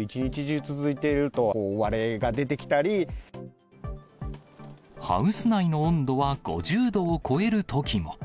一日中続いていると、割れがハウス内の温度は５０度を超えるときも。